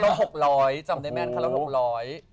คารถ์ลด๖๐๐จำได้แม่นคารถ์ลด๖๐๐